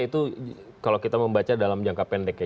itu kalau kita membaca dalam jangka pendek ya